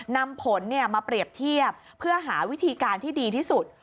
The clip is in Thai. นำผลมาเปรียบเทียบเพื่อหาวิธีการที่ดีที่สุด